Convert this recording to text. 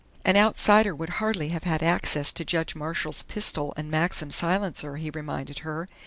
"An outsider would hardly have had access to Judge Marshall's pistol and Maxim silencer," he reminded her.